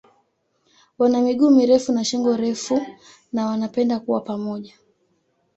Wana miguu mirefu na shingo refu na wanapenda kuwa pamoja.